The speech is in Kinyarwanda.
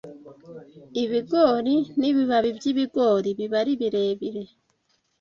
Ibigorigori n’ ibibabi by’ibigori biba ari birebire